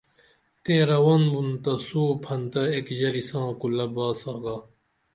تئیں رون بُن تسو پھنتہ ایک ژری ساں کُلہ باس آگا